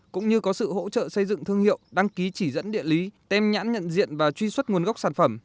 cũng như có sự hỗ trợ xây dựng thương hiệu đăng ký chỉ dẫn địa lý tem nhãn nhận diện và truy xuất nguồn gốc sản phẩm